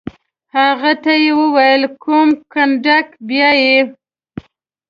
هغه ته یې وویل: کوم کنډک؟ بیا یې.